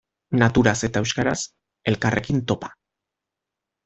Naturaz eta euskaraz, elkarrekin Topa!